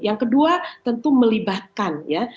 yang kedua tentu melibatkan ya